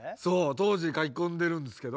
当時書き込んでるんですけど。